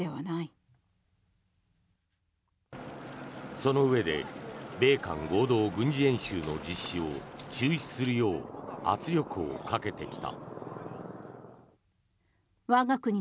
そのうえで米韓合同軍事演習の実施を中止するよう圧力をかけてきた。